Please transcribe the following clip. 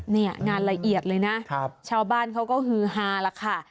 เนี่ยงานละเอียดเลยนะชาวบ้านเขาก็ฮือฮาแล้วค่ะ